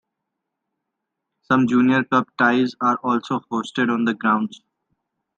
Some Junior Cup ties are also hosted on the grounds.